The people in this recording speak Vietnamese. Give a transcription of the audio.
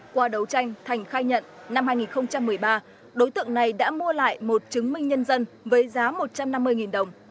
qua đấu tranh thành khai nhận năm hai nghìn một mươi ba đối tượng này đã mua lại một chứng minh nhân dân với giá một trăm năm mươi đồng